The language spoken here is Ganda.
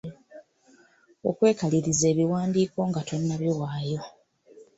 Okwekaliriza ebiwandiiko nga tonnabiwaayo.